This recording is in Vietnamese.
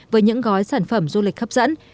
với những gói sản phẩm du lịch hấp dẫn